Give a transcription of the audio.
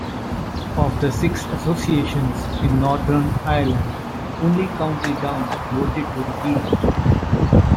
Of the six associations in Northern Ireland, only County Down voted to repeal it.